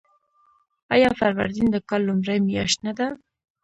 آیا فروردین د کال لومړۍ میاشت نه ده؟